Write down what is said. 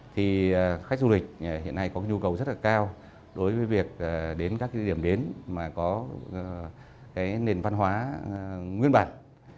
thì khách du lịch hiện nay có nhu cầu rất là cao đối với việc đến các cái điểm đến mà có cái nền văn hóa nguyên bản